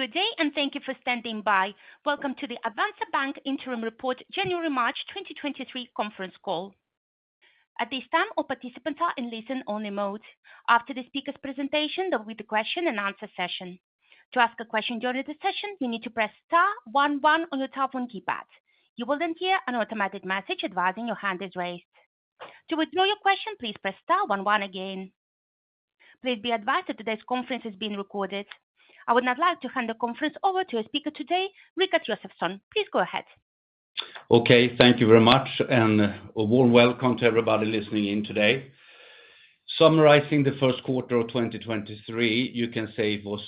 Good day, thank you for standing by. Welcome to the Avanza Bank Interim Report January-March 2023 conference call. At this time, all participants are in listen only mode. After the speaker's presentation, there'll be the question and answer session. To ask a question during the session, you need to press star one one on your telephone keypad. You will hear an automatic message advising your hand is raised. To withdraw your question, please press star one one again. Please be advised that today's conference is being recorded. I would now like to hand the conference over to a speaker today, Rikard Josefson. Please go ahead. Okay. Thank you very much. A warm welcome to everybody listening in today. Summarizing the first quarter of 2023, you can say it was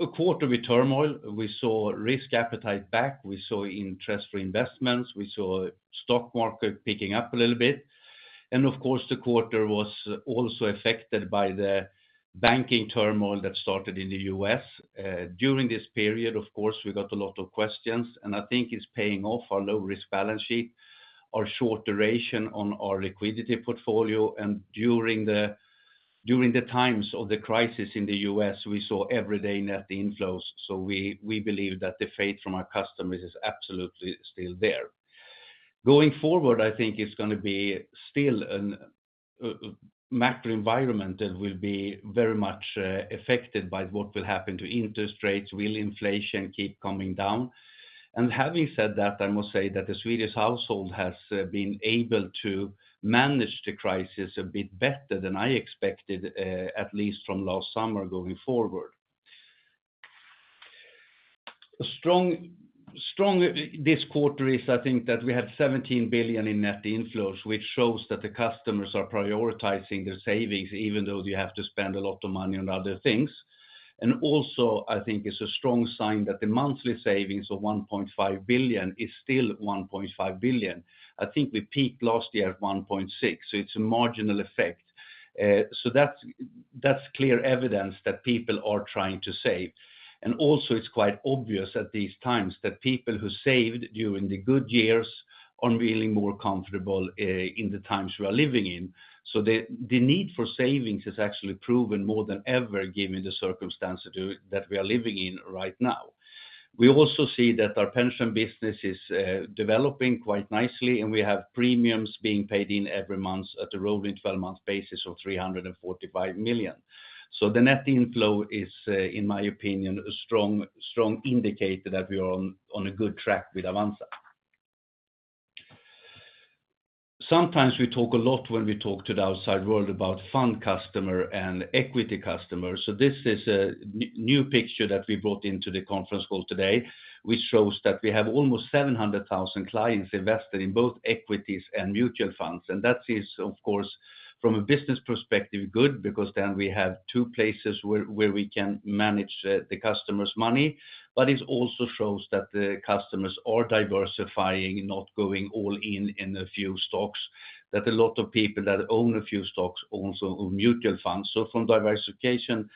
a quarter with turmoil. We saw risk appetite back. We saw interest for investments. We saw stock market picking up a little bit. Of course, the quarter was also affected by the banking turmoil that started in the U.S.. During this period, of course, we got a lot of questions, and I think it's paying off our low-risk balance sheet, our short duration on our liquidity portfolio. During the times of the crisis in the U.S., we saw everyday net inflows. We believe that the faith from our customers is absolutely still there. Going forward, I think it's gonna be still a macro environment that will be very much affected by what will happen to interest rates. Will inflation keep coming down? Having said that, I must say that the Swedish household has been able to manage the crisis a bit better than I expected, at least from last summer going forward. A strong this quarter is, I think that we have 17 billion in net inflows, which shows that the customers are prioritizing their savings even though they have to spend a lot of money on other things. Also, I think it's a strong sign that the monthly savings of 1.5 billion is still 1.5 billion. I think we peaked last year at 1.6 billion, so it's a marginal effect. That's clear evidence that people are trying to save. Also it's quite obvious at these times that people who saved during the good years are feeling more comfortable, in the times we are living in. The need for savings is actually proven more than ever given the circumstances that we are living in right now. We also see that our pension business is developing quite nicely, and we have premiums being paid in every month at a rolling 12-month basis of 345 million. The net inflow is, in my opinion, a strong indicator that we're on a good track with Avanza. Sometimes we talk a lot when we talk to the outside world about fund customer and equity customers. This is a new picture that we brought into the conference call today, which shows that we have almost 700,000 clients invested in both equities and mutual funds. That is, of course, from a business perspective good because then we have two places where we can manage the customer's money. It also shows that the customers are diversifying, not going all in in a few stocks that a lot of people that own a few stocks also own mutual funds. From diversification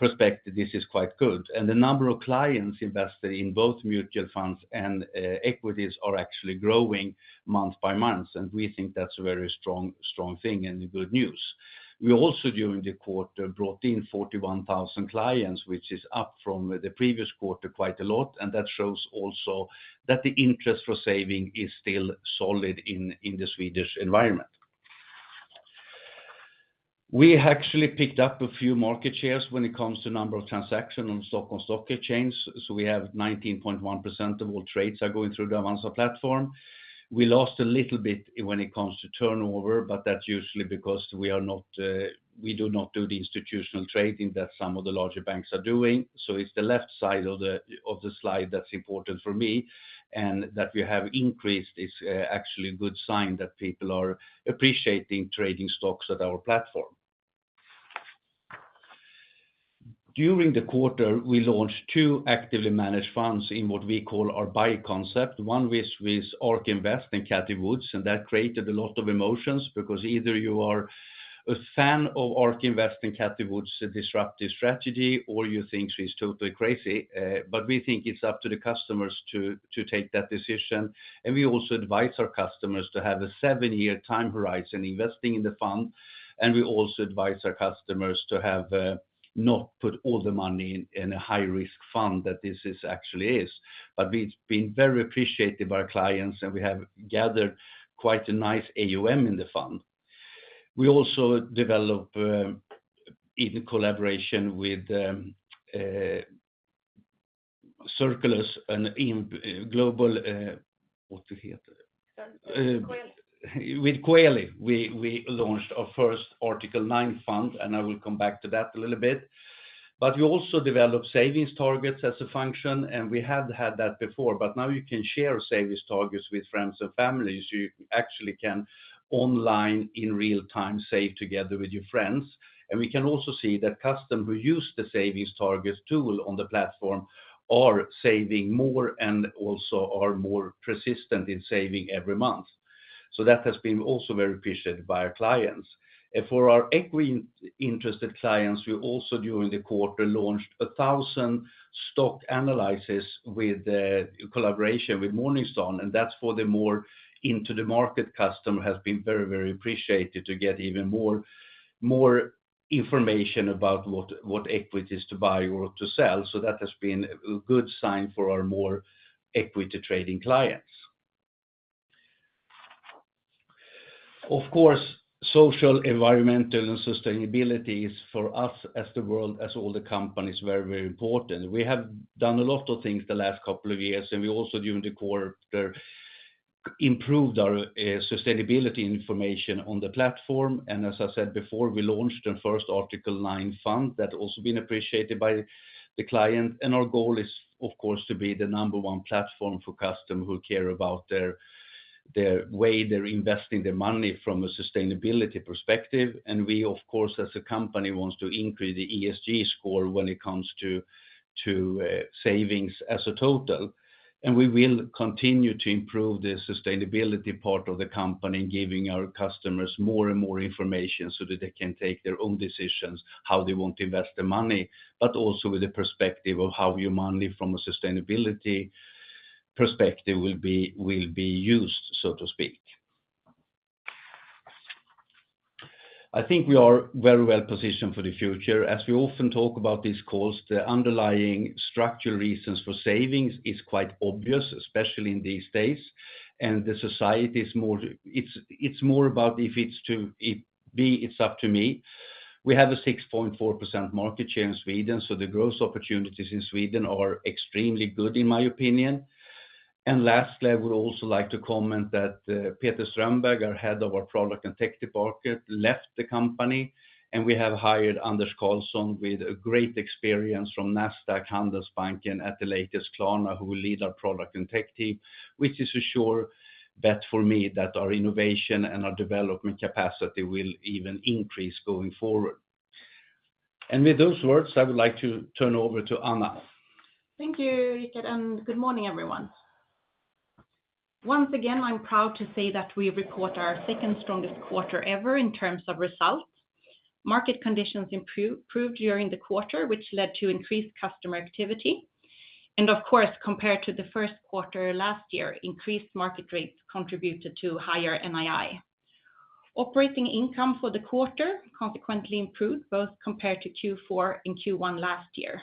perspective, this is quite good. The number of clients invested in both mutual funds and equities are actually growing month by month, and we think that's a very strong thing and good news. We also during the quarter brought in 41,000 clients, which is up from the previous quarter quite a lot. That shows also that the interest for saving is still solid in the Swedish environment. We actually picked up a few market shares when it comes to number of transactions on Nasdaq Stockholm. We have 19.1% of all trades are going through the Avanza platform. We lost a little bit when it comes to turnover. That's usually because we are not, we do not do the institutional trading that some of the larger banks are doing. It's the left side of the slide that's important for me and that we have increased is actually a good sign that people are appreciating trading stocks at our platform. During the quarter, we launched two actively managed funds in what we call our Byta concept, one with Ark Invest and Cathie Wood's, and that created a lot of emotions because either you are a fan of Ark Invest and Cathie Wood's disruptive strategy, or you think she's totally crazy. We think it's up to the customers to take that decision. We also advise our customers to have a seven-year time horizon investing in the fund. We also advise our customers to have not put all the money in a high risk fund that this is actually is. It's been very appreciated by our clients, and we have gathered quite a nice AUM in the fund. We also develop in collaboration with Circulus and in global what's it here? With Coeli. With Coeli, we launched our first Article nine fund. I will come back to that a little bit. We also developed savings targets as a function. We have had that before. Now you can share savings targets with friends and families. You actually can online in real time save together with your friends. We can also see that customers who use the savings targets tool on the platform are saving more and also are more persistent in saving every month. That has been also very appreciated by our clients. For our equity interested clients, we also during the quarter launched a thousandStock analysis with the collaboration with Morningstar. That's for the more into the market customer, has been very appreciated to get even more information about what equities to buy or to sell. That has been a good sign for our more equity trading clients. Of course, social, environmental, and sustainability is for us as the world, as all the companies, very, very important. We have done a lot of things the last couple of years. We also during the quarter improved our sustainability information on the platform. As I said before, we launched the first Article 9 fund that also been appreciated by the client. Our goal is of course to be the number one platform for customers who care about their way they're investing their money from a sustainability perspective. We of course, as a company, wants to increase the ESG score when it comes to savings as a total. We will continue to improve the sustainability part of the company, giving our customers more and more information so that they can take their own decisions, how they want to invest their money, but also with the perspective of how your money from a sustainability perspective will be used, so to speak. I think we are very well positioned for the future. As we often talk about these calls, the underlying structural reasons for savings is quite obvious, especially in these days. The society is more, it's more about if it's to it be, it's up to me. We have a 6.4% market share in Sweden, the growth opportunities in Sweden are extremely good in my opinion. Lastly, I would also like to comment that Peter Strömberg, our head of our product and tech department, left the company, and we have hired Anders Karlsson with a great experience from Nasdaq, Handelsbanken, at the latest Klarna who will lead our product and tech team, which is a sure bet for me that our innovation and our development capacity will even increase going forward. With those words, I would like to turn over to Anna. Thank you, Rikard Josefson. Good morning, everyone. Once again, I'm proud to say that we report our second strongest quarter ever in terms of results. Market conditions improved during the quarter, which led to increased customer activity. Of course, compared to Q1 last year, increased market rates contributed to higher NII. Operating income for the quarter consequently improved both compared to Q4 and Q1 last year.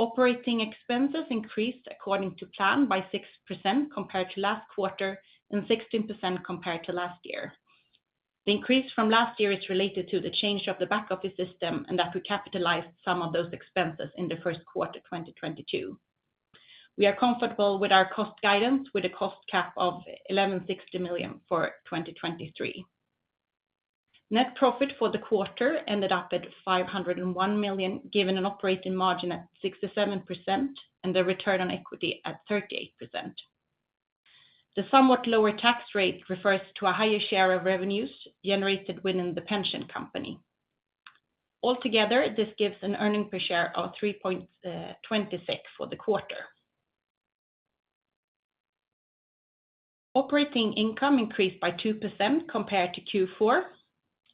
Operating expenses increased according to plan by 6% compared to last quarter and 16% compared to last year. The increase from last year is related to the change of the back office system and that we capitalized some of those expenses in Q1 2022. We are comfortable with our cost guidance with a cost cap of 1,160 million for 2023. Net profit for the quarter ended up at 501 million, given an operating margin at 67% and the return on equity at 38%. The somewhat lower tax rate refers to a higher share of revenues generated within the pension company. Altogether, this gives an earning per share of 3.26 for the quarter. Operating income increased by 2% compared to Q4.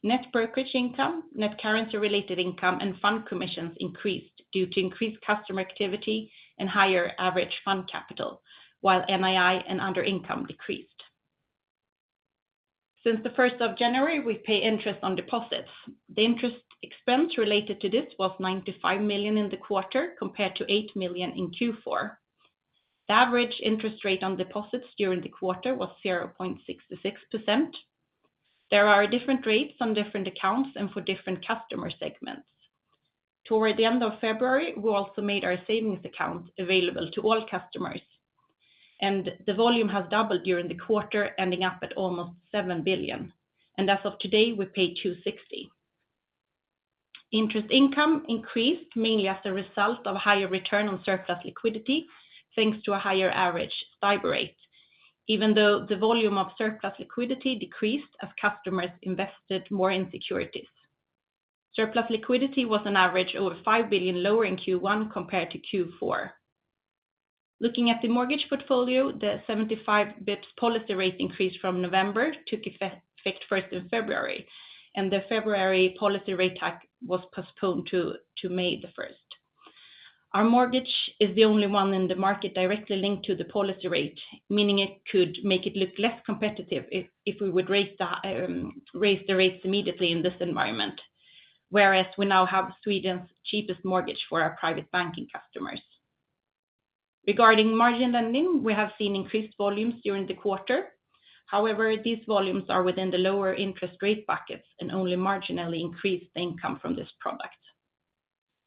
Net brokerage income, net currency-related income, and fund commissions increased due to increased customer activity and higher average fund capital, while NII and other income decreased. Since the 1st of January, we pay interest on deposits. The interest expense related to this was 95 million in the quarter compared to 8 million in Q4. The average interest rate on deposits during the quarter was 0.66%. There are different rates on different accounts and for different customer segments. Toward the end of February, we also made our savings account available to all customers, the volume has doubled during the quarter, ending up at almost 7 billion. As of today, we pay 2.60%. Interest income increased mainly as a result of higher return on surplus liquidity, thanks to a higher average STIBOR rate, even though the volume of surplus liquidity decreased as customers invested more in securities. Surplus liquidity was on average over 5 billion lower in Q1 compared to Q4. Looking at the mortgage portfolio, the 75 basis points policy rate increase from November took effect first in February, the February policy rate hike was postponed to May 1st. Our mortgage is the only one in the market directly linked to the policy rate, meaning it could make it look less competitive if we would raise the rates immediately in this environment. We now have Sweden's cheapest mortgage for our private banking customers. Regarding margin lending, we have seen increased volumes during the quarter. These volumes are within the lower interest rate buckets and only marginally increased the income from this product.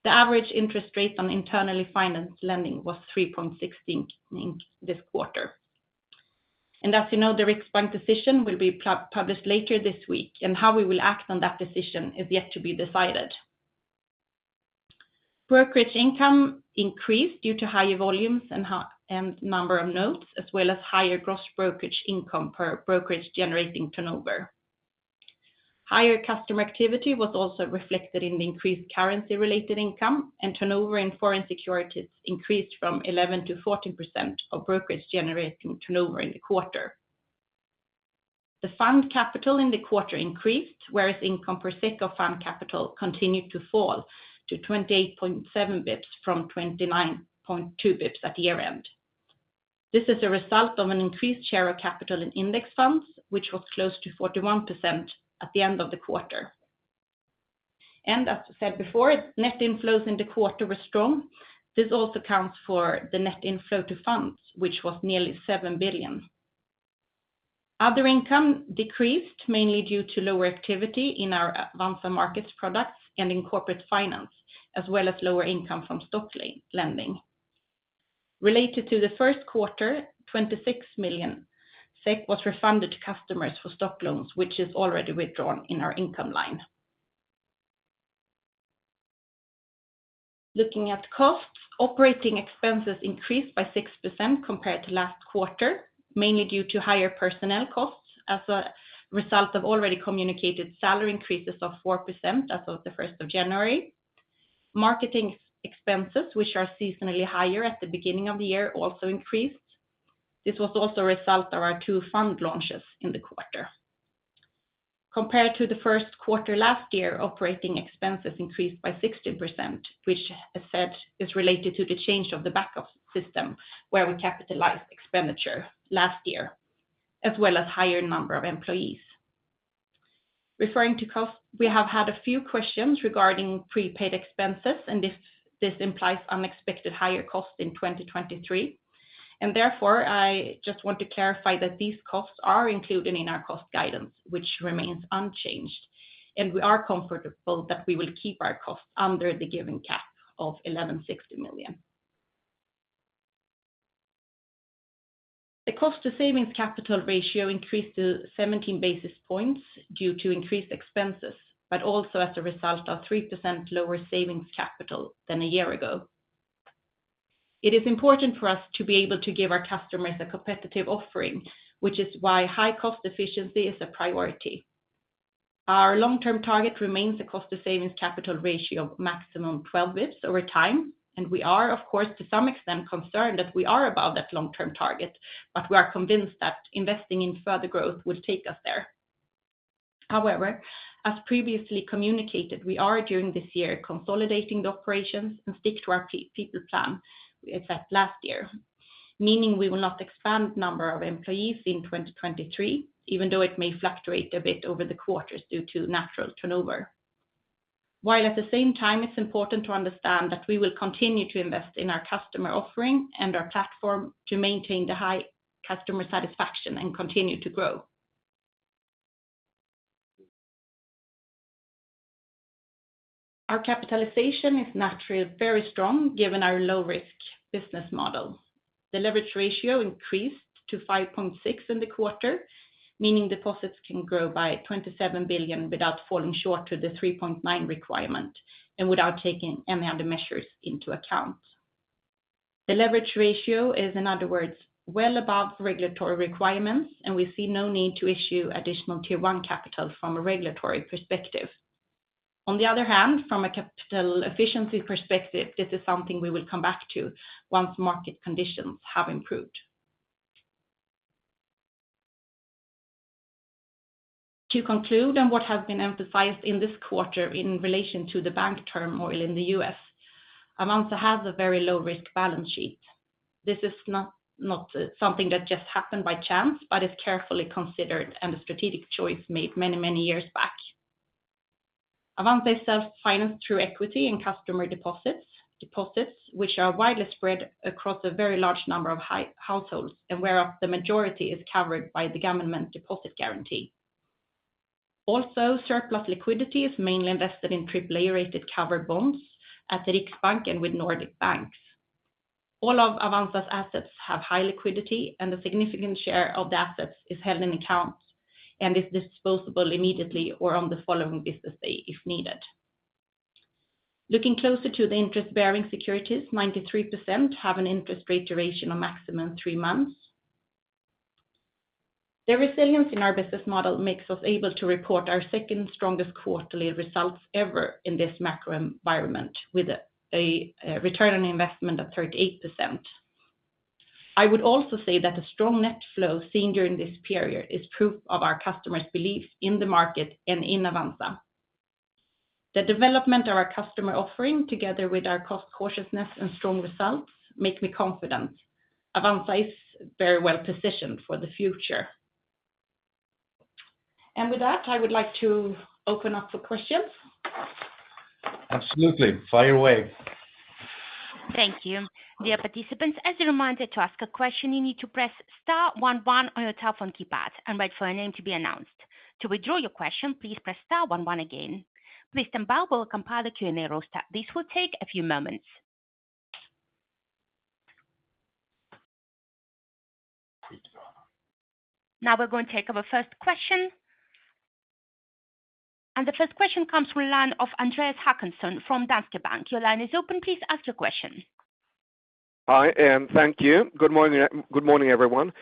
The average interest rate on internally financed lending was 3.16 this quarter. As you know, the Riksbank decision will be published later this week, and how we will act on that decision is yet to be decided. Brokerage income increased due to higher volumes and number of notes, as well as higher gross brokerage income per brokerage generating turnover. Higher customer activity was also reflected in the increased currency-related income. Turnover in foreign securities increased from 11%-14% of brokerage generating turnover in the quarter. The fund capital in the quarter increased, whereas income per SEK of fund capital continued to fall to 28.7 BPS from 29.2 BPS at the year-end. This is a result of an increased share of capital in index funds, which was close to 41% at the end of the quarter. As said before, net inflows in the quarter were strong. This also accounts for the net inflow to funds, which was nearly 7 billion. Other income decreased mainly due to lower activity in our Avanza Markets products and in corporate finance, as well as lower income from stock lending. Related to the first quarter, 26 million SEK was refunded to customers for stock loans, which is already withdrawn in our income line. Looking at costs, operating expenses increased by 6% compared to last quarter, mainly due to higher personnel costs as a result of already communicated salary increases of 4% as of the first of January. Marketing expenses, which are seasonally higher at the beginning of the year, also increased. This was also a result of our two fund launches in the quarter. Compared to the first quarter last year, operating expenses increased by 16%, which as said, is related to the change of the back-office system where we capitalized expenditure last year, as well as higher number of employees. Referring to cost, we have had a few questions regarding prepaid expenses and if this implies unexpected higher costs in 2023. Therefore, I just want to clarify that these costs are included in our cost guidance, which remains unchanged, and we are comfortable that we will keep our costs under the given cap of 1,160 million. The cost to savings capital ratio increased to 17 basis points due to increased expenses, also as a result of 3% lower savings capital than a year ago. It is important for us to be able to give our customers a competitive offering, which is why high cost efficiency is a priority. Our long-term target remains a cost to savings capital ratio of maximum 12 basis points over time. We are of course to some extent concerned that we are above that long-term target. We are convinced that investing in further growth will take us there. However, as previously communicated, we are during this year consolidating the operations and stick to our people plan we set last year, meaning we will not expand number of employees in 2023, even though it may fluctuate a bit over the quarters due to natural turnover. While at the same time, it's important to understand that we will continue to invest in our customer offering and our platform to maintain the high customer satisfaction and continue to grow. Our capitalization is naturally very strong given our low-risk business model. The leverage ratio increased to 5.6 in the quarter, meaning deposits can grow by 27 billion without falling short to the 3.9 requirement and without taking any other measures into account. The leverage ratio is, in other words, well above regulatory requirements. We see no need to issue Additional Tier 1 capital from a regulatory perspective. On the other hand, from a capital efficiency perspective, this is something we will come back to once market conditions have improved. To conclude on what has been emphasized in this quarter in relation to the bank turmoil in the U.S., Avanza has a very low-risk balance sheet. This is not something that just happened by chance, but is carefully considered and a strategic choice made many years back. Avanza is self-financed through equity and customer deposits which are widely spread across a very large number of households and whereof the majority is covered by the government deposit guarantee. Also, surplus liquidity is mainly invested in AAA-rated covered bonds Riksbank with Nordic banks. All of Avanza's assets have high liquidity, and a significant share of the assets is held in accounts and is disposable immediately or on the following business day if needed. Looking closer to the interest-bearing securities, 93% have an interest rate duration of maximum three months. The resilience in our business model makes us able to report our second strongest quarterly results ever in this macro environment with a ROI of 38%. I would also say that a strong net flow seen during this period is proof of our customers' belief in the market and in Avanza. The development of our customer offering together with our cost cautiousness and strong results make me confident Avanza is very well positioned for the future. With that, I would like to open up for questions. Absolutely. Fire away. Thank you. Dear participants, as a reminder to ask a question, you need to press star 11 on your telephone keypad and wait for your name to be announced. To withdraw your question, please press star 11 again. Please stand by while we compile the Q&A roster. This will take a few moments. We're going to take our first question. The first question comes from line of Andreas Håkansson from Danske Bank. Your line is open. Please ask your question. Hi, thank you. Good morning, everyone.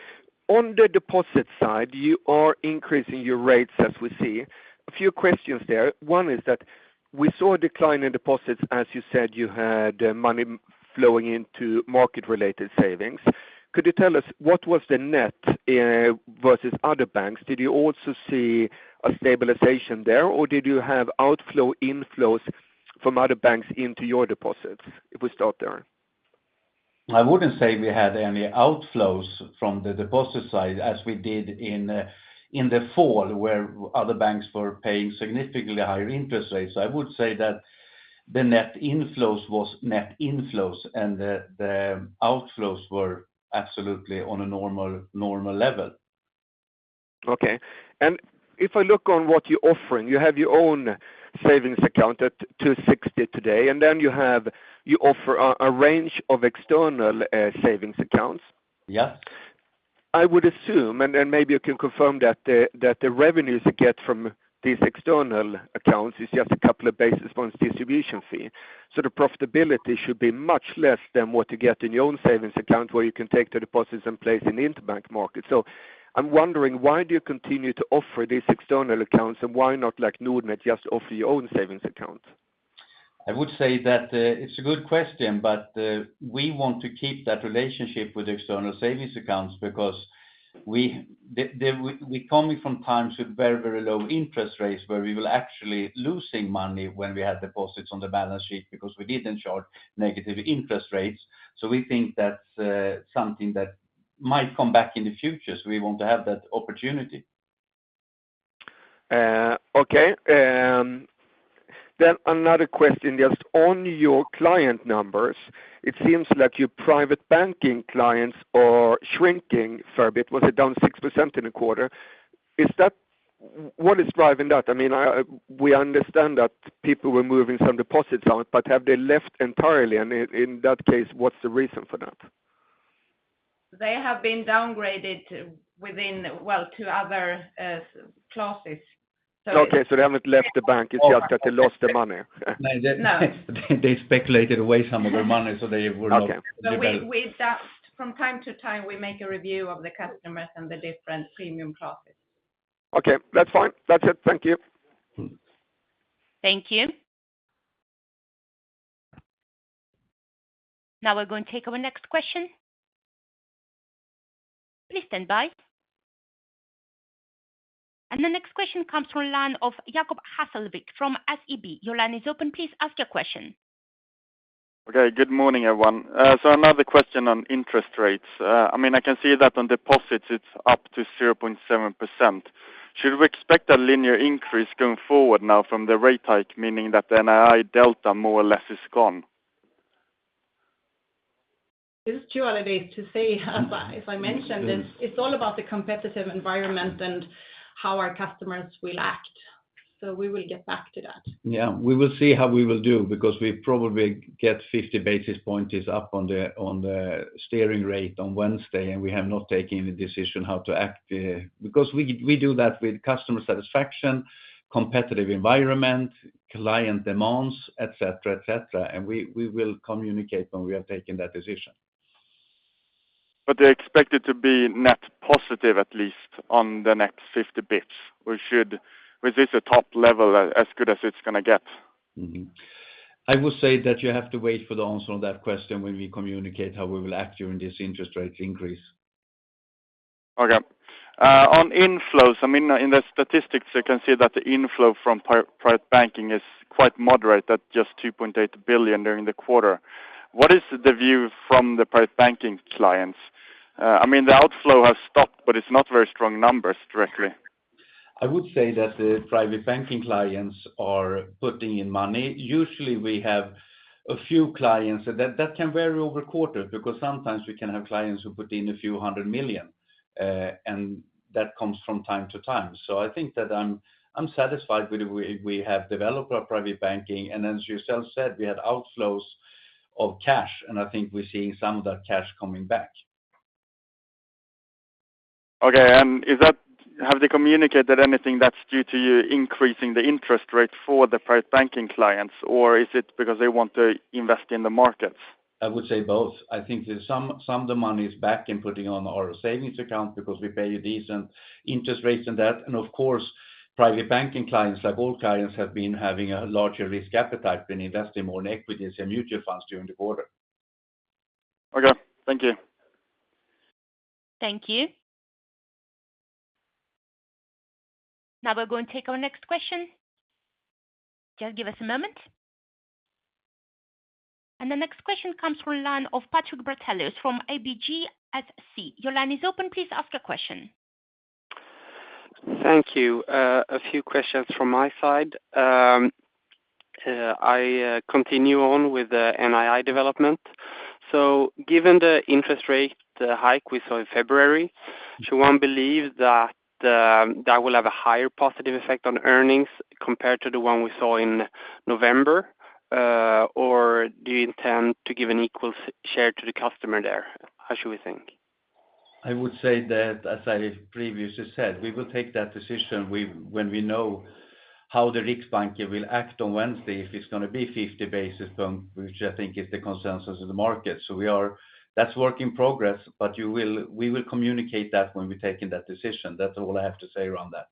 On the deposit side, you are increasing your rates as we see. A few questions there. One is that We saw a decline in deposits. As you said, you had money flowing into market-related savings. Could you tell us what was the net, versus other banks? Did you also see a stabilization there, or did you have outflow inflows from other banks into your deposits? If we start there. I wouldn't say we had any outflows from the deposit side as we did in the fall where other banks were paying significantly higher interest rates. I would say that the net inflows was net inflows. The outflows were absolutely on a normal level. Okay. If I look on what you're offering, you have your own savings account at 2.60% today. You offer a range of external savings accounts. Yeah. I would assume, and then maybe you can confirm that the revenues you get from these external accounts is just two basis points distribution fee. The profitability should be much less than what you get in your own savings account, where you can take the deposits in place in the interbank market. I'm wondering, why do you continue to offer these external accounts, and why not like Nordnet just offer your own savings accounts? I would say that it's a good question. We want to keep that relationship with external savings accounts because we're coming from times with very, very low interest rates where we were actually losing money when we had deposits on the balance sheet because we didn't charge negative interest rates. We think that's something that might come back in the future, so we want to have that opportunity. Okay. Another question just on your client numbers. It seems like your private banking clients are shrinking fair bit. Was it down 6% in a quarter? Is that? What is driving that? I mean, I, we understand that people were moving some deposits out, but have they left entirely? In that case, what's the reason for that? They have been downgraded to within, well, to other classes. Okay. They haven't left the bank. It's just that they lost the money. No. They speculated away some of their money, so they were not- Okay. We adapt. From time to time, we make a review of the customers and the different premium classes. Okay, that's fine. That's it. Thank you. Thank you. Now we're going to take our next question. Please stand by. The next question comes from line of Jakob Hesslevik from SEB. Your line is open. Please ask your question. Okay. Good morning, everyone. Another question on interest rates. I mean, I can see that on deposits, it's up to 0.7%. Should we expect a linear increase going forward now from the rate hike, meaning that NII delta more or less is gone? It's too early to say. As I mentioned, it's all about the competitive environment and how our customers will act. We will get back to that. Yeah. We will see how we will do because we probably get 50 basis points up on the steering rate on Wednesday. We have not taken the decision how to act because we do that with customer satisfaction, competitive environment, client demands, et cetera, et cetera. We will communicate when we have taken that decision. They expect it to be net positive, at least on the next 50 basis points. Is this a top level, as good as it's gonna get? Mm-hmm. I will say that you have to wait for the answer on that question when we communicate how we will act during this interest rate increase. Okay. On inflows, I mean, in the statistics, you can see that the inflow from private banking is quite moderate at just 2.8 billion during the quarter. What is the view from the private banking clients? I mean, the outflow has stopped, but it's not very strong numbers directly. I would say that the private banking clients are putting in money. Usually, we have a few clients. That can vary over quarters because sometimes we can have clients who put in a few hundred million SEK, and that comes from time to time. I think that I'm satisfied with the way we have developed our private banking. As yourself said, we had outflows of cash, and I think we're seeing some of that cash coming back. Okay. Have they communicated anything that's due to you increasing the interest rate for the private banking clients, or is it because they want to invest in the markets? I would say both. I think some of the money is back in putting on our savings account because we pay a decent interest rates on that. Of course, private banking clients, like all clients, have been having a larger risk appetite when investing more in equities and mutual funds during the quarter. Okay. Thank you. Thank you. Now we're going to take our next question. Just give us a moment. The next question comes from line of Patrik Brattelius from ABGSC. Your line is open. Please ask your question. Thank you. A few questions from my side. I continue on with the NII development. Given the interest rate hike we saw in February, should one believe that will have a higher positive effect on earnings compared to the one we saw in November? Or do you intend to give an equal share to the customer there? How should we think? I would say that, as I previously said, we will take that decision when we know how the Riksbank will act on Wednesday, if it's gonna be 50 basis points, which I think is the consensus of the market. We are. That's work in progress, but we will communicate that when we've taken that decision. That's all I have to say around that.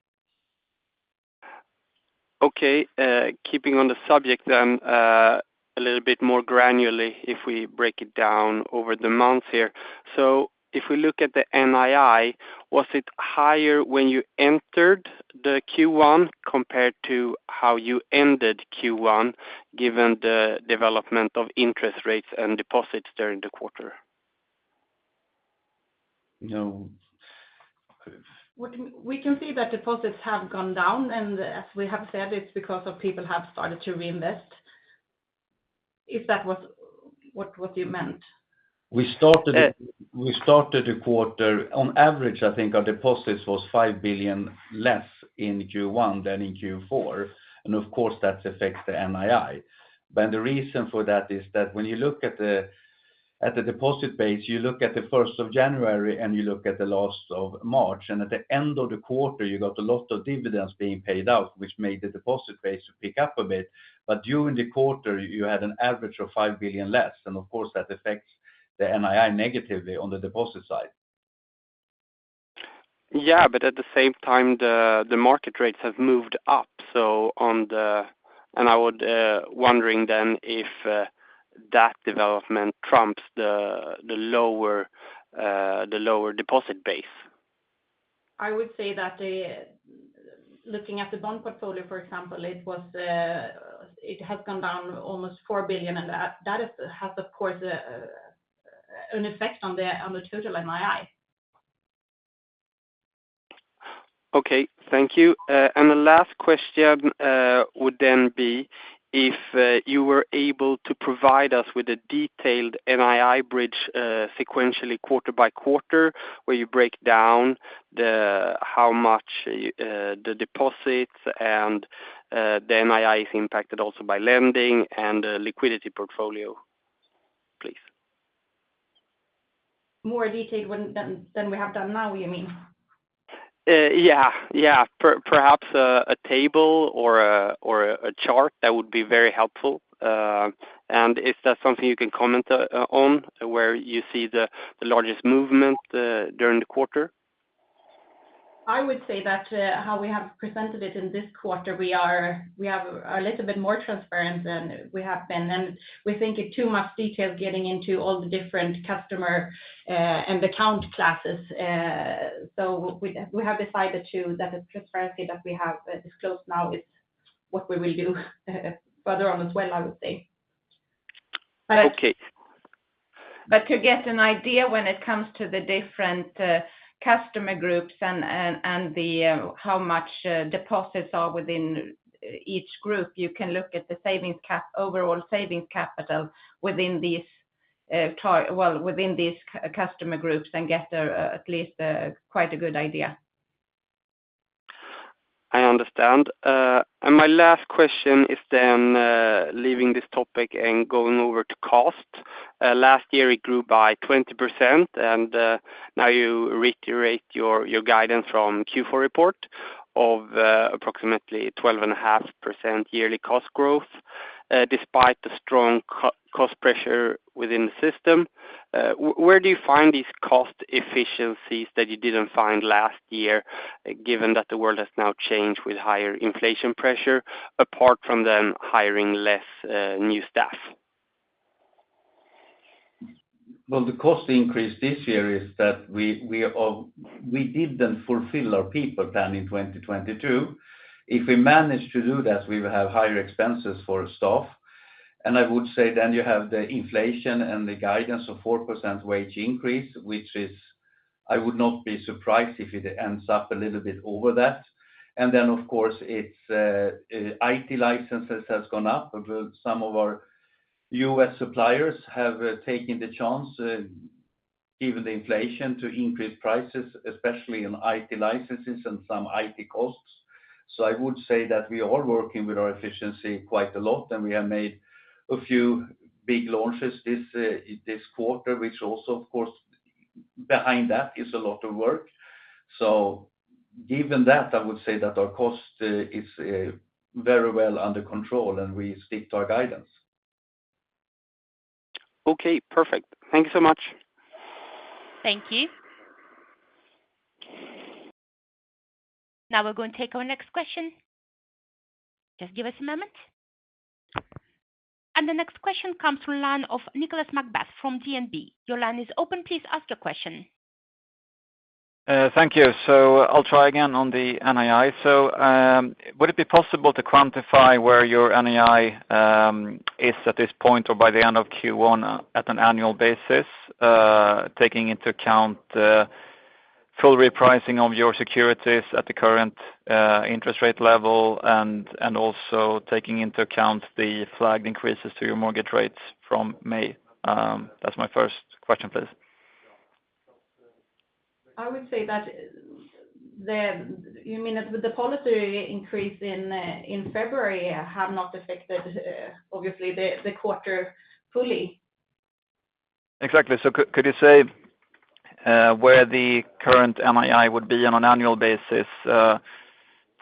Keeping on the subject then, a little bit more granularly if we break it down over the months here. If we look at the NII, was it higher when you entered the Q1 compared to how you ended Q1, given the development of interest rates and deposits during the quarter? No. We can see that deposits have gone down, and as we have said, it's because of people have started to reinvest, if that was what you meant. We started- Yeah we started the quarter. On average, I think our deposits was 5 billion less in Q1 than in Q4, and of course, that affects the NII. The reason for that is that when you look at the deposit base, you look at the first of January, and you look at the last of March. At the end of the quarter, you got a lot of dividends being paid out, which made the deposit base pick up a bit. During the quarter, you had an average of 5 billion less, and of course, that affects the NII negatively on the deposit side. At the same time, the market rates have moved up. I would wondering if that development trumps the lower deposit base. I would say that Looking at the bond portfolio, for example, it has gone down almost 4 billion, and that has of course an effect on the total NII. Okay. Thank you. The last question would then be if you were able to provide us with a detailed NII bridge sequentially quarter by quarter, where you break down the, how much the deposits and the NII is impacted also by lending and the liquidity portfolio, please. More detailed when than we have done now, you mean? Yeah. Perhaps a table or a chart, that would be very helpful. Is that something you can comment on, where you see the largest movement during the quarter? I would say that, how we have presented it in this quarter, we have a little bit more transparent than we have been. We think in too much detail getting into all the different customer and account classes, so we have decided that the transparency that we have disclosed now is what we will do further on as well, I would say. Okay. To get an idea when it comes to the different customer groups and the how much deposits are within each group, you can look at the overall savings capital within these well, within these customer groups and get a, at least, quite a good idea. I understand. My last question is then, leaving this topic and going over to cost. Last year, it grew by 20%, and now you reiterate your guidance from Q4 report of approximately 12.5% yearly cost growth, despite the strong cost pressure within the system. Where do you find these cost efficiencies that you didn't find last year given that the world has now changed with higher inflation pressure, apart from them hiring less new staff? Well, the cost increase this year is that we didn't fulfill our people than in 2022. If we manage to do that, we will have higher expenses for staff. I would say then you have the inflation and the guidance of 4% wage increase, which is, I would not be surprised if it ends up a little bit over that. Then, of course, its IT licenses has gone up. Some of our U.S. suppliers have taken the chance, given the inflation, to increase prices, especially in IT licenses and some IT costs. I would say that we are working with our efficiency quite a lot, and we have made a few big launches this quarter, which also, of course, behind that is a lot of work. Given that, I would say that our cost is very well under control, and we stick to our guidance. Okay, perfect. Thank you so much. Thank you. Now we're going to take our next question. Just give us a moment. The next question comes from line of Nicolas McBeath from DNB. Your line is open. Please ask your question. Thank you. I'll try again on the NII. Would it be possible to quantify where your NII is at this point or by the end of Q1 at an annual basis, taking into account full repricing of your securities at the current interest rate level and also taking into account the flagged increases to your mortgage rates from May? That's my first question, please. You mean the policy increase in February have not affected, obviously the quarter fully. Exactly. Could you say where the current NII would be on an annual basis,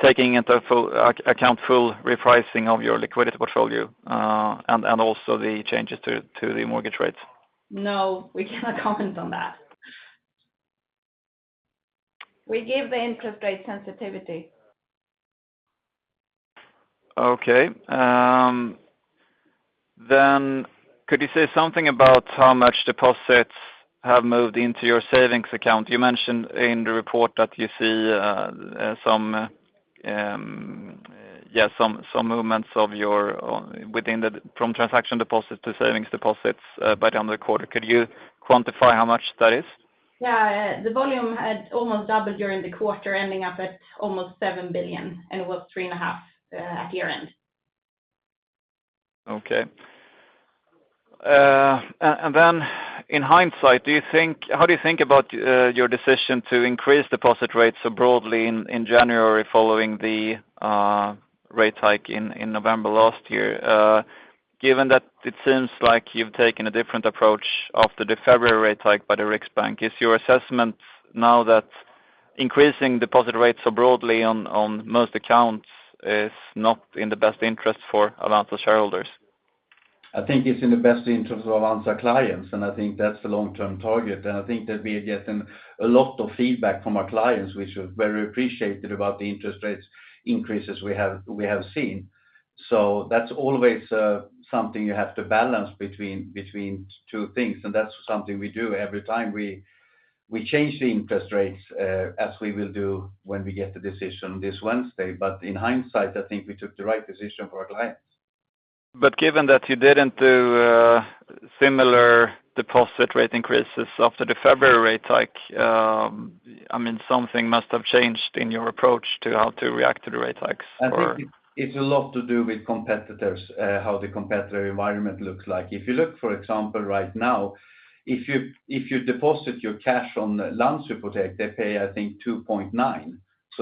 taking into full account full repricing of your liquidity portfolio, and also the changes to the mortgage rates? No, we cannot comment on that. We give the interest rate sensitivity. Okay. Could you say something about how much deposits have moved into your savings account? You mentioned in the report that you see, yeah, some movements from transaction deposit to savings deposits by the end of the quarter. Could you quantify how much that is? Yeah. The volume had almost doubled during the quarter, ending up at almost 7 billion, and it was three and a half at year-end. Okay. Then in hindsight, how do you think about your decision to increase deposit rates so broadly in January following the rate hike in November last year? Given that it seems like you've taken a different approach after the February rate hike by the Riksbank. Is your assessment now that increasing deposit rates so broadly on most accounts is not in the best interest for Avanza shareholders? I think it's in the best interest of Avanza clients, and I think that's the long-term target. I think that we have gotten a lot of feedback from our clients, which was very appreciated about the interest rates increases we have seen. That's always something you have to balance between two things, and that's something we do every time we change the interest rates, as we will do when we get the decision this Wednesday. In hindsight, I think we took the right decision for our clients. Given that you didn't do similar deposit rate increases after the February rate hike, I mean, something must have changed in your approach to how to react to the rate hikes? I think it's a lot to do with competitors, how the competitor environment looks like. If you look, for example, right now, if you deposit your cash on Länsförsäkringar, they pay, I think, 2.9%.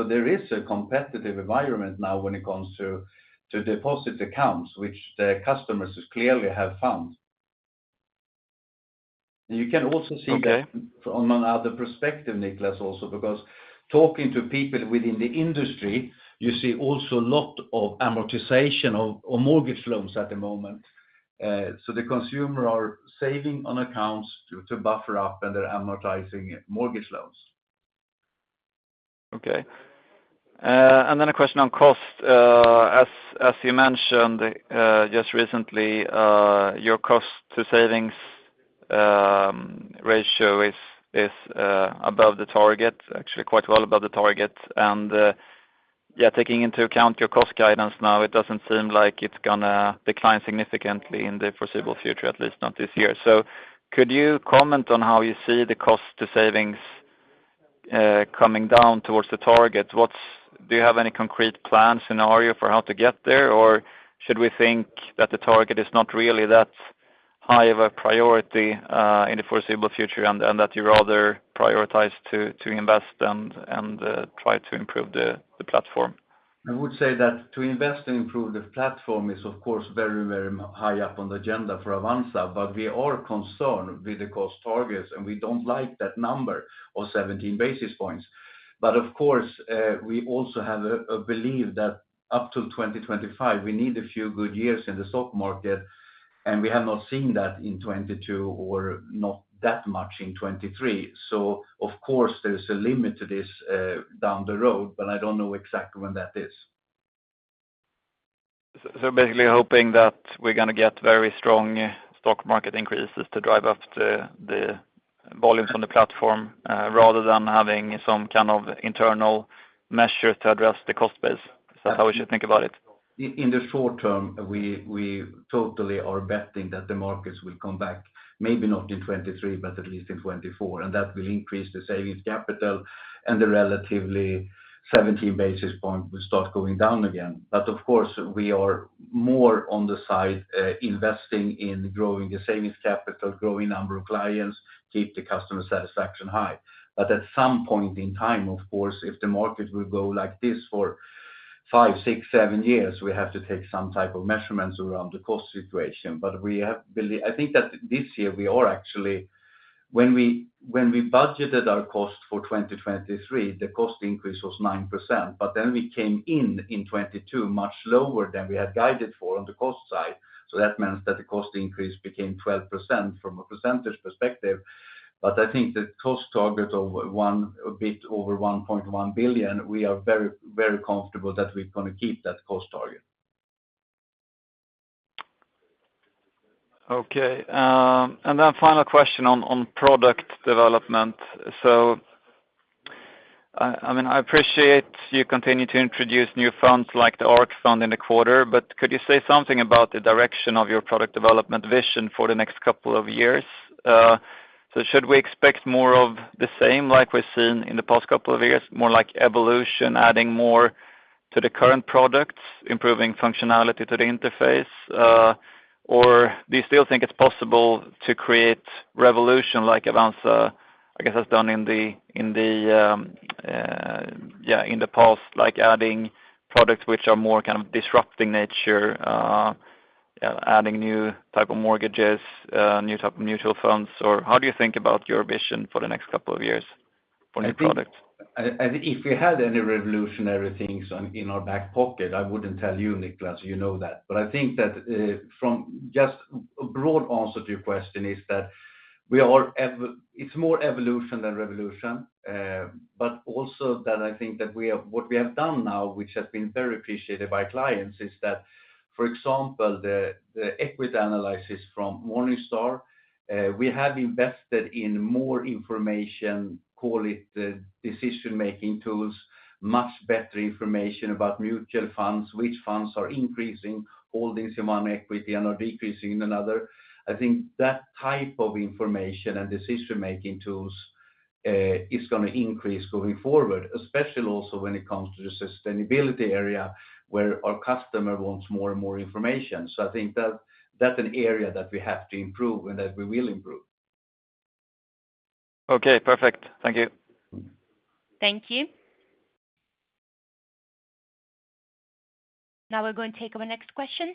There is a competitive environment now when it comes to deposit accounts which the customers clearly have found. You can also see that. Okay... from another perspective, Nicolas, also because talking to people within the industry, you see also a lot of amortization of mortgage loans at the moment. The consumer are saving on accounts to buffer up, and they're amortizing mortgage loans. Okay. A question on cost. As you mentioned, just recently, your cost to savings ratio is above the target, actually quite well above the target. Yeah, taking into account your cost guidance now, it doesn't seem like it's gonna decline significantly in the foreseeable future, at least not this year. Could you comment on how you see the cost to savings coming down towards the target? Do you have any concrete plans in the area for how to get there, or should we think that the target is not really that high of a priority in the foreseeable future and that you rather prioritize to invest and try to improve the platform? I would say that to invest and improve the platform is of course very, very high up on the agenda for Avanza, but we are concerned with the cost targets, and we don't like that number of 17 basis points. Of course, we also have a belief that up till 2025, we need a few good years in the stock market, and we have not seen that in 2022 or not that much in 2023. Of course there's a limit to this down the road, but I don't know exactly when that is. Basically hoping that we're gonna get very strong stock market increases to drive up the volumes on the platform, rather than having some kind of internal measure to address the cost base. Is that how we should think about it? In the short term, we totally are betting that the markets will come back, maybe not in 2023, but at least in 2024. That will increase the savings capital and the relatively seventeen basis point will start going down again. Of course, we are more on the side, investing in growing the savings capital, growing number of clients, keep the customer satisfaction high. At some point in time, of course, if the market will go like this for five, six, seven years, we have to take some type of measurements around the cost situation. We have I think that this year we are actually... When we budgeted our cost for 2023, the cost increase was 9%. We came in in 2022 much lower than we had guided for on the cost side. The cost increase became 12% from a percentage perspective. I think the cost target of a bit over 1.1 billion, we are very comfortable that we're gonna keep that cost target. Okay. Final question on product development. I mean, I appreciate you continue to introduce new funds like the ARK Fund in the quarter, but could you say something about the direction of your product development vision for the next couple of years? Should we expect more of the same like we've seen in the past couple of years, more like evolution, adding more to the current products, improving functionality to the interface? Or do you still think it's possible to create revolution like Avanza, I guess, has done in the, in the, yeah, in the past, like adding products which are more kind of disrupting nature, adding new type of mortgages, new type of mutual funds, or how do you think about your vision for the next couple of years for new products? I think, if we had any revolutionary things in our back pocket, I wouldn't tell you, Nicolas, you know that. I think that, from just a broad answer to your question is that, it's more evolution than revolution. Also that I think that what we have done now, which has been very appreciated by clients, is that, for example, the equity analysis from Morningstar, we have invested in more information, call it decision-making tools, much better information about mutual funds, which funds are increasing holdings in one equity and are decreasing in another. I think that type of information and decision-making tools is gonna increase going forward, especially also when it comes to the sustainability area where our customer wants more and more information. I think that that's an area that we have to improve and that we will improve. Okay, perfect. Thank you. Thank you. Now we're going to take our next question.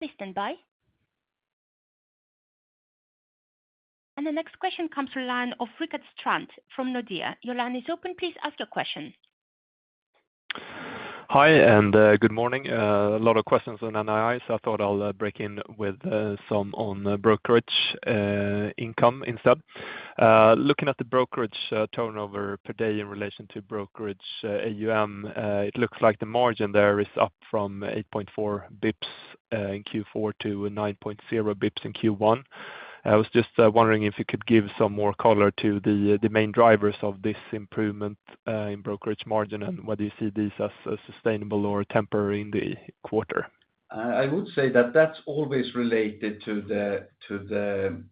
Please stand by. The next question comes from line of Rickard Strand from Nordea. Your line is open. Please ask your question. Hi, good morning. A lot of questions on NII. I thought I'll break in with some on brokerage income instead. Looking at the brokerage turnover per day in relation to brokerage AUM, it looks like the margin there is up from 8.4 basis points in Q4 to 9.0 basis points in Q1. I was just wondering if you could give some more color to the main drivers of this improvement in brokerage margin, and whether you see this as sustainable or temporary in the quarter. I would say that that's always related to the, to the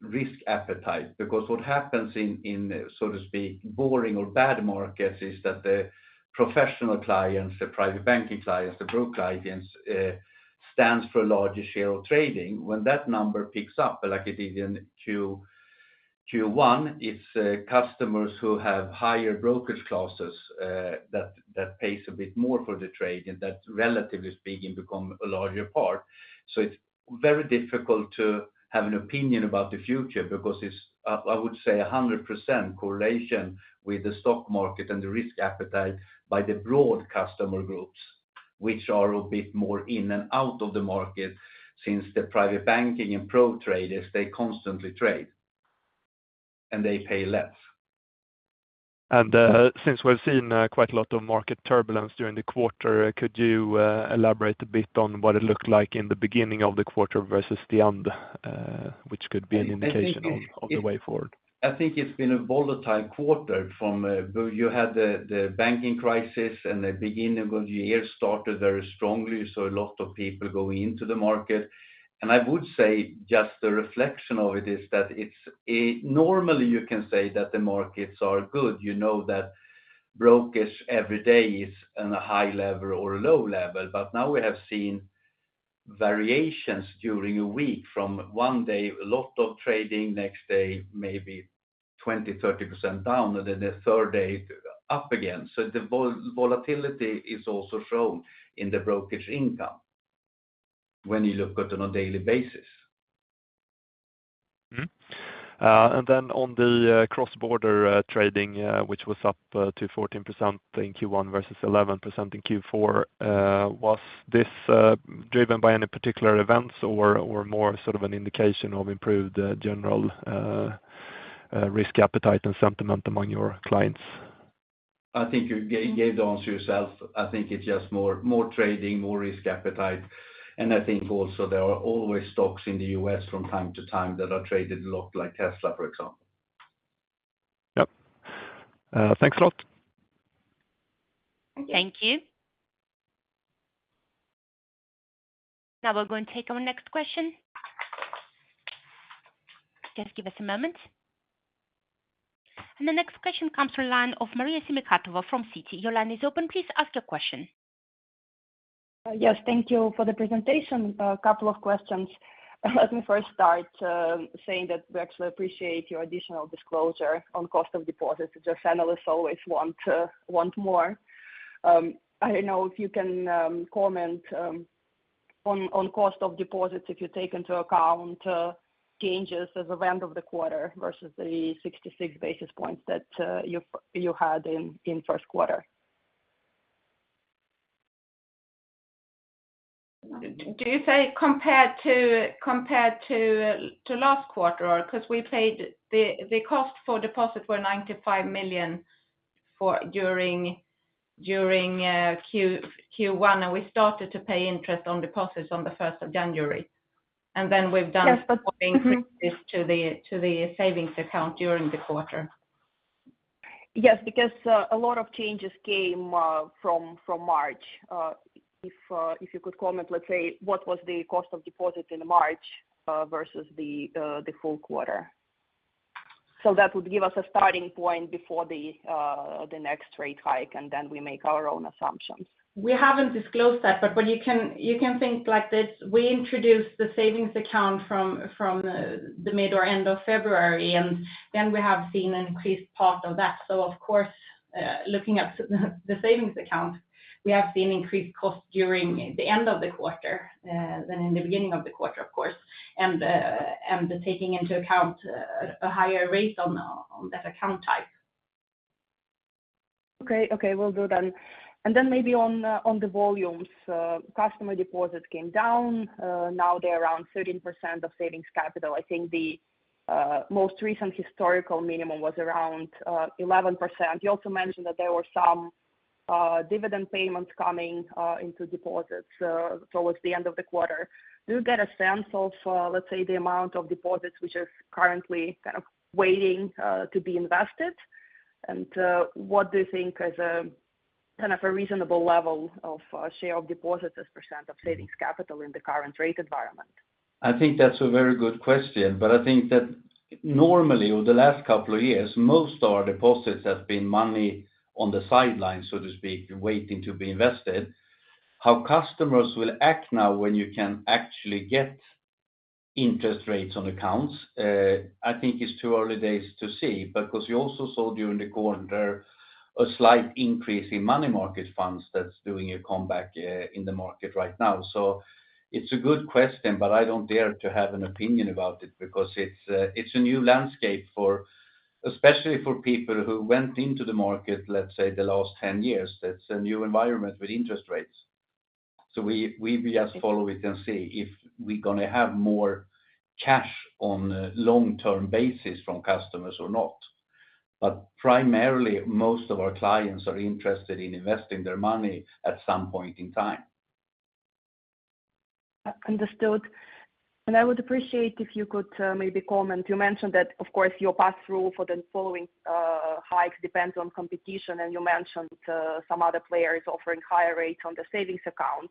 risk appetite, because what happens in, so to speak, boring or bad markets is that the professional clients, the private banking clients, the broker clients, stands for a larger share of trading. When that number picks up, like it did in Q1, it's customers who have higher brokerage classes that pays a bit more for the trade, and that, relatively speaking, become a larger part. It's very difficult to have an opinion about the future because it's I would say 100% correlation with the stock market and the risk appetite by the broad customer groups, which are a bit more in and out of the market since the private banking and pro traders, they constantly trade, and they pay less. Since we've seen, quite a lot of market turbulence during the quarter, could you elaborate a bit on what it looked like in the beginning of the quarter versus the end, which could be an indication of the way forward? I think it's been a volatile quarter from, you had the banking crisis and the beginning of the year started very strongly, so a lot of people go into the market. I would say just the reflection of it is that it's a. Normally, you can say that the markets are good. You know that brokerage every day is in a high level or low level. Now we have seen variations during a week from one day, a lot of trading, next day, maybe 20%, 30% down, and then the third day up again. The volatility is also shown in the brokerage income when you look at it on a daily basis. Mm-hmm. On the cross-border trading which was up to 14% in Q1 versus 11% in Q4, was this driven by any particular events or more sort of an indication of improved general risk appetite and sentiment among your clients? I think you gave the answer yourself. I think it's just more trading, more risk appetite. I think also there are always stocks in the U.S. from time to time that are traded a lot like Tesla, for example. Yep. thanks a lot. Thank you. Now we're going to take our next question. Just give us a moment. The next question comes from line of Marissa van den Heuvel from Citi. Your line is open. Please ask your question. Yes, thank you for the presentation. A couple of questions. Let me first start saying that we actually appreciate your additional disclosure on cost of deposits. It's just analysts always want more. I don't know if you can comment on cost of deposits if you take into account changes at the end of the quarter versus the 66 basis points that you had in first quarter. Do you say compared to last quarter? Because we paid. The cost for deposit were 95 million during Q1, and we started to pay interest on deposits on the 1st of January. we've done- Yes. to the savings account during the quarter. Yes, because a lot of changes came from March. If you could comment, let's say, what was the cost of deposit in March versus the full quarter. That would give us a starting point before the next rate hike, and then we make our own assumptions. We haven't disclosed that, but you can think like this. We introduced the savings account from the mid or end of February, and then we have seen an increased part of that. Of course, looking at the savings account, we have seen increased cost during the end of the quarter than in the beginning of the quarter, of course, and taking into account a higher rate on that account type. Okay. Okay, will do then. Maybe on the, on the volumes, customer deposits came down, now they're around 13% of savings capital. I think the most recent historical minimum was around 11%. You also mentioned that there were some dividend payments coming into deposits towards the end of the quarter. Do you get a sense of, let's say, the amount of deposits which are currently kind of waiting to be invested? What do you think is a kind of a reasonable level of share of deposits as percent of savings capital in the current rate environment? I think that's a very good question, I think that normally over the last couple of years, most of our deposits have been money on the sidelines, so to speak, waiting to be invested. How customers will act now when you can actually get interest rates on accounts, I think it's too early days to see, because we also saw during the quarter a slight increase in money market funds that's doing a comeback in the market right now. It's a good question, but I don't dare to have an opinion about it because it's a new landscape for... especially for people who went into the market, let's say, the last 10 years. That's a new environment with interest rates. We just follow it and see if we're gonna have more cash on a long-term basis from customers or not. Primarily, most of our clients are interested in investing their money at some point in time. Understood. I would appreciate if you could maybe comment. You mentioned that, of course, your pass-through for the following hike depends on competition, and you mentioned some other players offering higher rates on the savings account.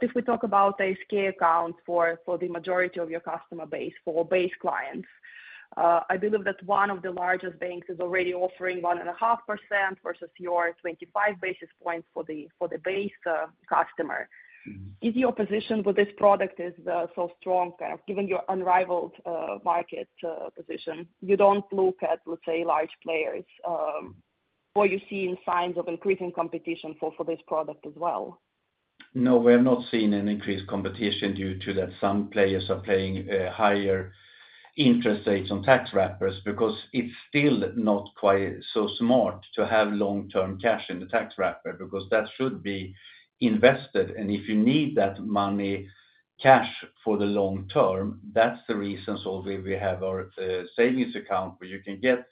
If we talk about a scale account for the majority of your customer base, for base clients, I believe that one of the largest banks is already offering 1.5% versus your 25 basis points for the base customer. Is your position with this product is so strong, kind of given your unrivaled market position? You don't look at, let's say, large players, or you're seeing signs of increasing competition for this product as well? No, we have not seen an increased competition due to that some players are paying higher interest rates on tax wrappers because it's still not quite so smart to have long-term cash in the tax wrapper because that should be invested. If you need that money, cash for the long term, that's the reason. We have our savings account where you can get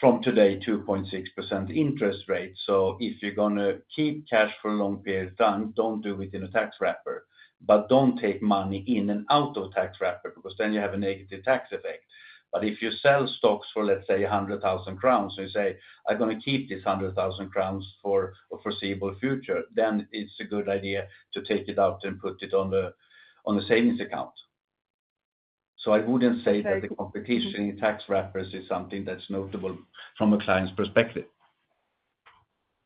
from today 2.6% interest rate. If you're gonna keep cash for a long period of time, don't do it in a tax wrapper. Don't take money in and out of tax wrapper because then you have a negative tax effect. If you sell stocks for, let's say, 100,000 crowns, and you say, "I'm gonna keep this 100,000 crowns for a foreseeable future," then it's a good idea to take it out and put it on the savings account. I wouldn't say that the competition in tax wrappers is something that's notable from a client's perspective.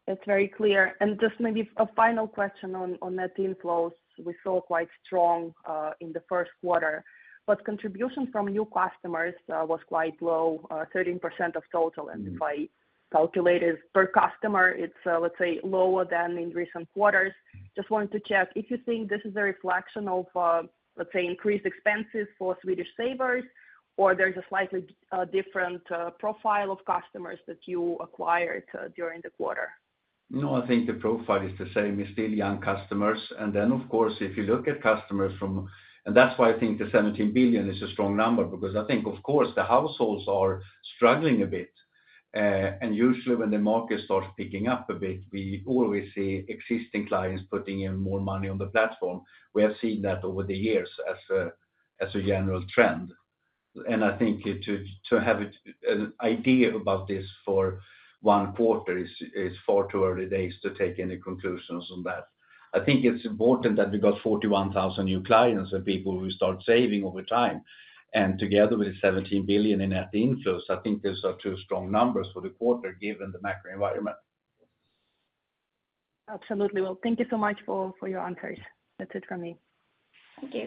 That's very clear. Just maybe a final question on net inflows we saw quite strong in the first quarter. Contribution from new customers was quite low, 13% of total. Mm-hmm. If I calculate it per customer, it's, let's say, lower than in recent quarters. Just wanted to check if you think this is a reflection of, let's say, increased expenses for Swedish savers, or there's a slightly different profile of customers that you acquired during the quarter. No, I think the profile is the same. It's still young customers. Then, of course, if you look at customers from... That's why I think the 17 billion is a strong number because I think, of course, the households are struggling a bit. Usually when the market starts picking up a bit, we always see existing clients putting in more money on the platform. We have seen that over the years as a general trend. I think to have it, an idea about this for one quarter is far too early days to take any conclusions on that. I think it's important that we got 41,000 new clients and people who start saving over time. Together with 17 billion in net inflows, I think those are two strong numbers for the quarter given the macro environment. Absolutely. Well, thank you so much for your answers. That's it from me. Thank you.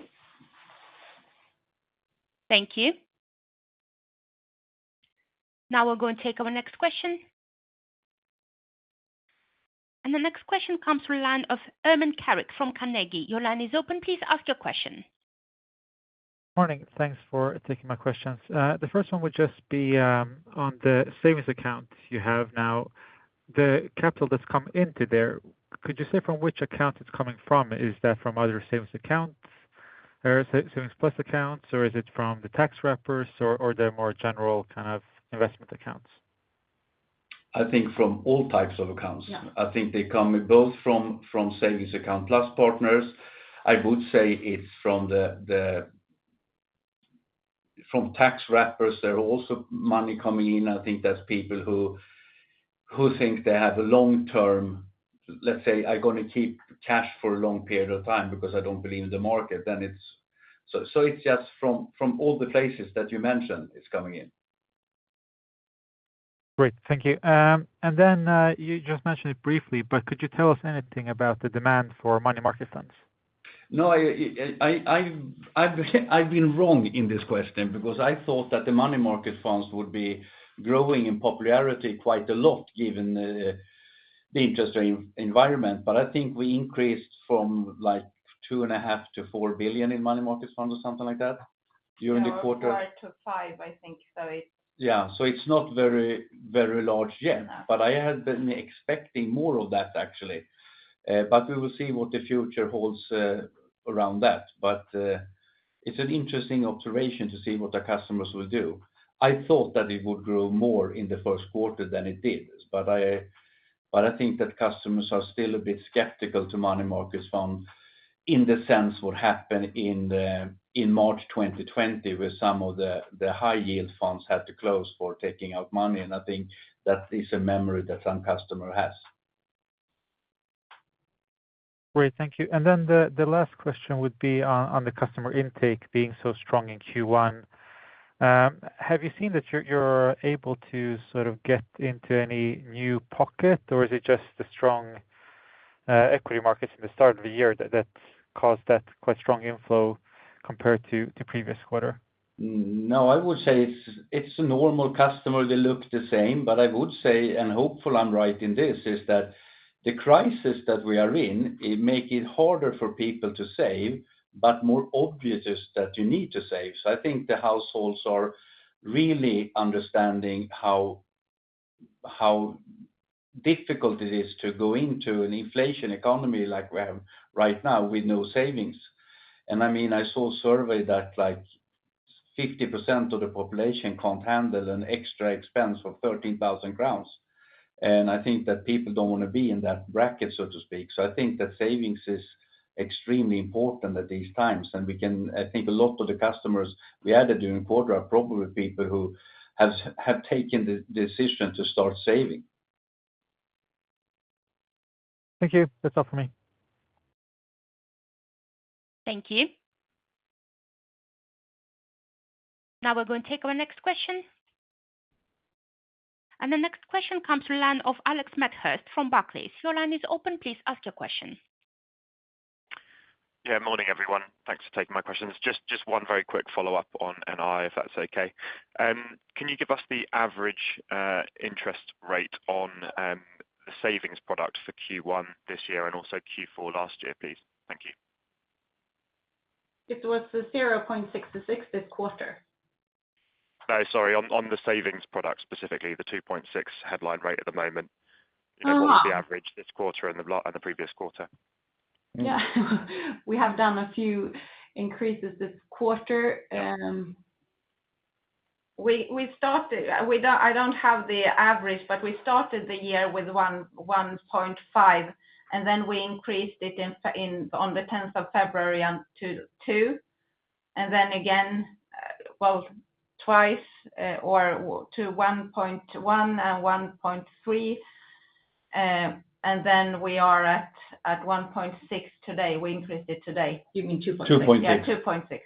Thank you. Now we'll go and take our next question. The next question comes through line of Ermin Keric from Carnegie. Your line is open. Please ask your question. Morning. Thanks for taking my questions. The first one would just be on the savings account you have now. The capital that's come into there, could you say from which account it's coming from? Is that from other savings accounts or Savings Plus accounts, or is it from the tax wrappers or the more general kind of investment accounts? I think from all types of accounts. Yeah. I think they come both from Sparkonto+ partners. I would say it's from tax wrappers, there are also money coming in. I think that's people who think they have a long term... Let's say I'm gonna keep cash for a long period of time because I don't believe in the market, then it's... It's just from all the places that you mentioned it's coming in. Great. Thank you. You just mentioned it briefly, but could you tell us anything about the demand for money market funds? No, I've been wrong in this question because I thought that the money market funds would be growing in popularity quite a lot given the interest rate environment. I think we increased from like 2.5 billion-4 billion in money market funds or something like that. Four to five, I think. Yeah. It's not very, very large yet. No. I had been expecting more of that, actually. We will see what the future holds around that. It's an interesting observation to see what our customers will do. I thought that it would grow more in the first quarter than it did, but I think that customers are still a bit skeptical to money markets from, in the sense what happened in March 2020, where some of the high yield funds had to close for taking out money. I think that is a memory that some customer has. Great. Thank you. The last question would be on the customer intake being so strong in Q1. Have you seen that you're able to sort of get into any new pocket? Is it just the strong equity markets in the start of the year that caused that quite strong inflow compared to previous quarter? I would say it's a normal customer. They look the same. I would say, and hopeful I'm right in this, is that the crisis that we are in, it make it harder for people to save, but more obvious that you need to save. I think the households are really understanding how difficult it is to go into an inflation economy like we have right now with no savings. I mean, I saw a survey that, like, 50% of the population can't handle an extra expense of 13,000 crowns. I think that people don't wanna be in that bracket, so to speak. I think that savings is extremely important at these times. We can... I think a lot of the customers we added during quarter are probably people who have taken the decision to start saving. Thank you. That's all for me. Thank you. Now we're going to take our next question. The next question comes to line of Alex Medhurst from Barclays. Your line is open. Please ask your question. Yeah. Morning, everyone. Thanks for taking my questions. Just one very quick follow-up on NII, if that's okay. Can you give us the average interest rate on the savings product for Q1 this year and also Q4 last year, please? Thank you. It was the 0.66% this quarter. No. Sorry. On the savings product, specifically the 2.6% headline rate at the moment. What was the average this quarter and the previous quarter? We have done a few increases this quarter. I don't have the average, but we started the year with 1.5%. We increased it on the 10th of February to 2%. Again, well, twice, or to 1.1% and 1.3%. We are at 1.6% today. We increased it today. You mean 2.6%. 2.6. Yeah, 2.6.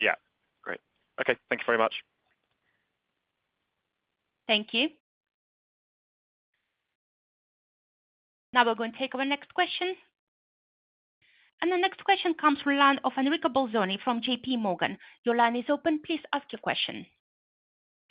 Yeah. Great. Okay. Thank you very much. Thank you. Now we're gonna take our next question. The next question comes through line of Enrico Bolzoni from JPMorgan. Your line is open. Please ask your question.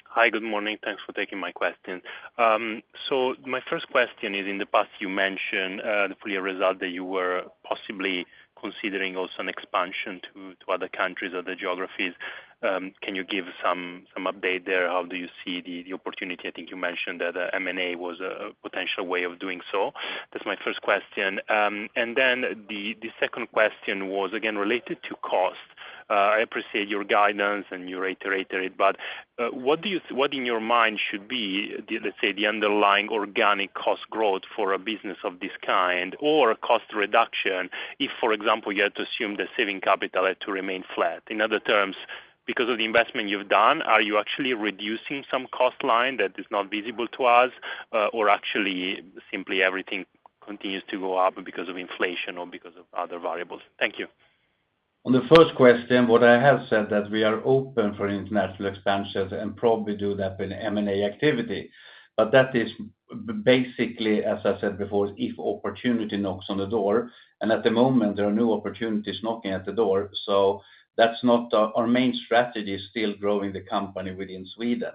Hi. Good morning. Thanks for taking my question. My first question is, in the past you mentioned the full year result that you were possibly considering also an expansion to other countries or the geographies. Can you give some update there? How do you see the opportunity? I think you mentioned that M&A was a potential way of doing so. That's my first question. The second question was again related to cost. I appreciate your guidance and you reiterated it, but what in your mind should be the, let's say, the underlying organic cost growth for a business of this kind or a cost reduction if, for example, you had to assume the saving capital had to remain flat? In other terms, because of the investment you've done, are you actually reducing some cost line that is not visible to us? Or actually simply everything continues to go up because of inflation or because of other variables? Thank you. On the first question, what I have said that we are open for international expansions and probably do that with M&A activity. That is basically, as I said before, if opportunity knocks on the door. At the moment there are no opportunities knocking at the door. Our main strategy is still growing the company within Sweden.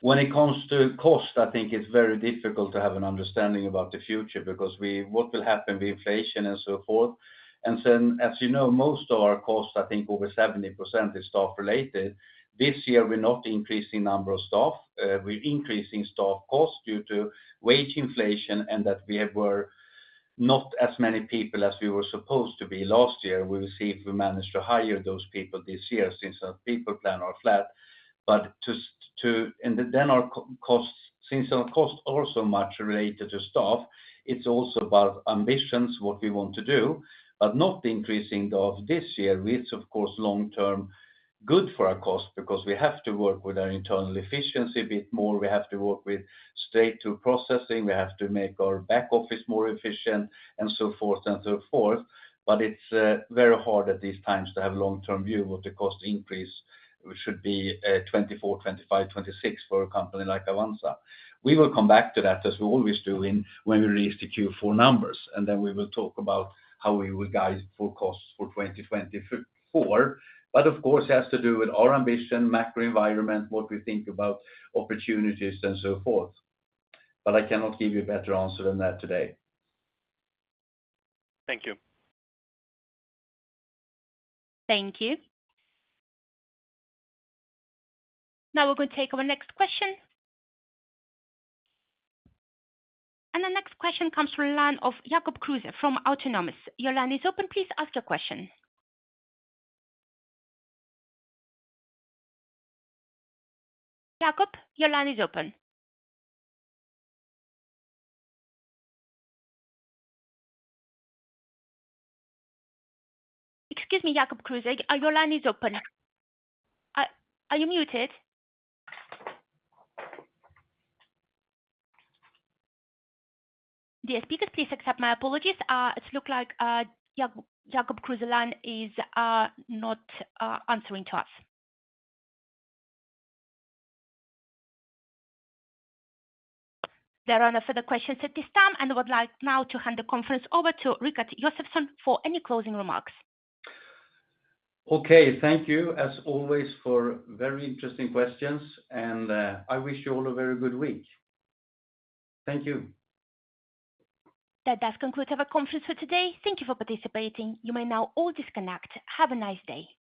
When it comes to cost, I think it's very difficult to have an understanding about the future because what will happen with inflation and so forth. Then as you know, most of our costs, I think over 70% is staff related. This year we're not increasing number of staff. We're increasing staff costs due to wage inflation and that we're not as many people as we were supposed to be last year. We will see if we manage to hire those people this year since our people plan are flat. Our costs, since our costs are also much related to staff, it's also about ambitions, what we want to do. Not increasing staff this year is of course, long-term good for our cost because we have to work with our internal efficiency bit more. We have to work with straight-through processing. We have to make our back office more efficient and so forth and so forth. It's very hard at these times to have long-term view of the cost increase, which should be 2024, 2025, 2026 for a company like Avanza. We will come back to that, as we always do when we release the Q4 numbers. We will talk about how we will guide for costs for 2024. Of course it has to do with our ambition, macro environment, what we think about opportunities and so forth. I cannot give you a better answer than that today. Thank you. Thank you. Now we're gonna take our next question. The next question comes from line of Jakob Kruger from Autonomous Research. Your line is open. Please ask your question. Jakob, your line is open. Excuse me, Jakob Kruger, your line is open. Are you muted? Dear speakers, please accept my apologies. It looks like Jakob Kruger line is not answering to us. There are no further questions at this time. I would like now to hand the conference over to Rikard Josefson for any closing remarks. Okay. Thank you as always for very interesting questions. I wish you all a very good week. Thank you. That does conclude our conference for today. Thank you for participating. You may now all disconnect. Have a nice day.